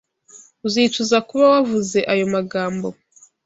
Uzicuza kuba wavuze ayo magambo.